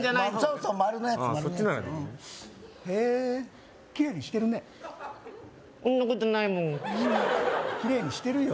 そんなことないもんうんキレイにしてるよ